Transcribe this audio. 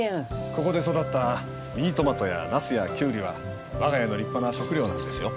ここで育ったミニトマトやナスやキュウリは我が家の立派な食料なんですよ。